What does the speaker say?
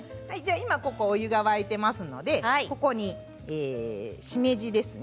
今お湯が沸いていますのでここに、しめじですね。